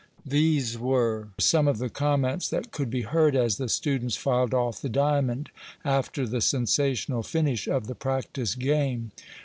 These were some of the comments that could be heard as the students filed off the diamond after the sensational finish of the practice game.